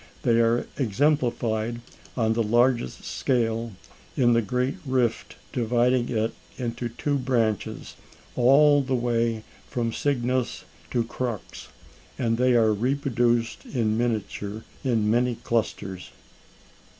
They are exemplified on the largest scale in the great rift dividing it into two branches all the way from Cygnus to Crux; and they are reproduced in miniature in many clusters.